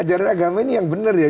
ajaran agama ini yang benar ya